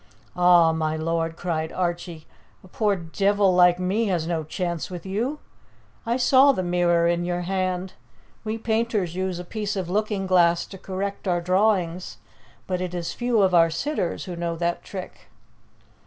"Ah, my lord!" cried Archie, "a poor devil like me has no chance with you! I saw the mirror in your hand. We painters use a piece of looking glass to correct our drawing, but it is few of our sitters who know that trick."